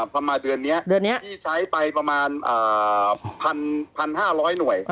พอมาเดือนนี้พี่ใช้ไปประมาณ๑๕๐๐หน่วย